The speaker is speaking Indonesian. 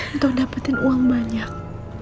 untuk dapatin uang banyak